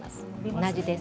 同じです。